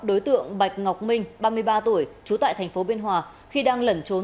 đối tượng bạch ngọc minh ba mươi ba tuổi trú tại tp biên hòa khi đang lẩn trốn